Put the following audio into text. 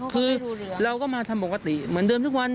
คือเราก็มาทำปกติเหมือนเดิมทุกวัน